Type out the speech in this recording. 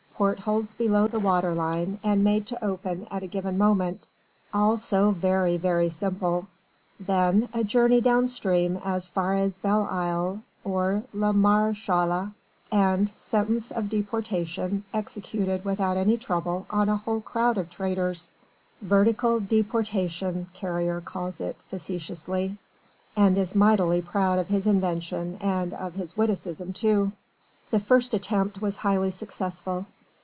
Portholes below the water line and made to open at a given moment. All so very, very simple. Then a journey downstream as far as Belle Isle or la Maréchale, and "sentence of deportation" executed without any trouble on a whole crowd of traitors "vertical deportation" Carrier calls it facetiously and is mightily proud of his invention and of his witticism too. The first attempt was highly successful.